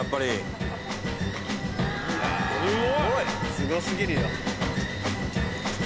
すご過ぎるよ。